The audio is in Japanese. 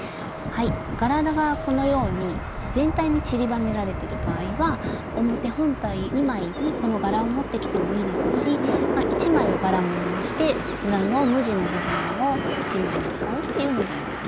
柄がこのように全体に散りばめられてる場合は表本体２枚にこの柄を持ってきてもいいですし１枚を柄物にして裏の無地の部分を１枚に使うっていうのでもいいですよね。